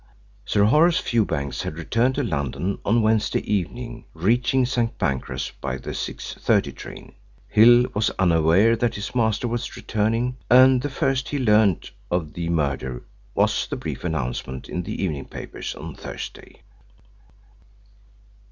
Sir Horace Fewbanks had returned to London on Wednesday evening, reaching St. Pancras by the 6.30 train. Hill was unaware that his master was returning, and the first he learned of the murder was the brief announcement in the evening papers on Thursday.